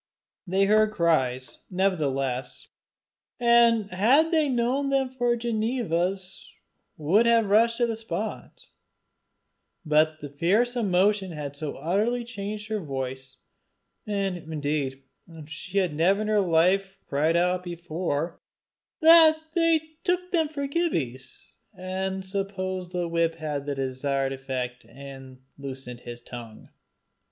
They heard the cries, nevertheless, and had they known them for Ginevra's, would have rushed to the spot; but fierce emotion had so utterly changed her voice and indeed she had never in her life cried out before that they took them for Gibbie's and supposed the whip had had the desired effect and loosed his tongue.